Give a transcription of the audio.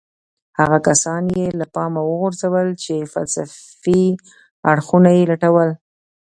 هغه کسان يې له پامه وغورځول چې فلسفي اړخونه يې لټول.